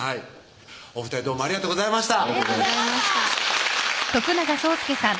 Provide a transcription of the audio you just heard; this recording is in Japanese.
お２人どうもありがとうございました